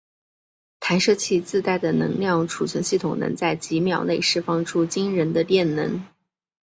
弹射器自带的能量存储系统能在几秒内释放出惊人的电能。